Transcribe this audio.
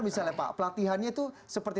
misalnya pak pelatihannya itu seperti